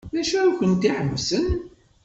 D acu ay kent-iḥebsen?